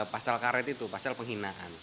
pasal karet itu pasal penghinaan